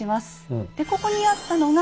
でここにあったのが。